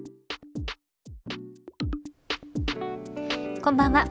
こんばんは。